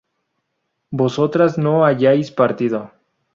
vosotras no hayáis partido